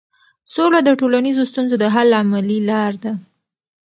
سوله د ټولنیزو ستونزو د حل عملي لار ده.